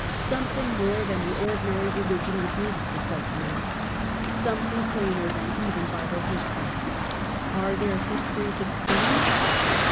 Something more than the ordinary religion was needed for such men. Something plainer than even Bible history. Are their histories obscene